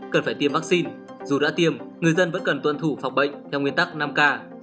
cần phải tiêm vaccine dù đã tiêm người dân vẫn cần tuân thủ phòng bệnh theo nguyên tắc năm k